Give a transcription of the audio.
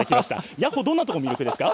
ヤッホー、どんなところ魅力ですか。